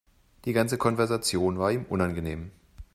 Die ganze Konversation war ihm unangenehm.